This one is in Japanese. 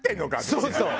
そうそう。